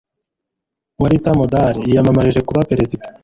Walter Mondale yiyamamarije kuba Perezida.